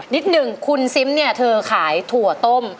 นิดหนึ่งคุณซิมเนี่ยเธอขายถั่วต้ม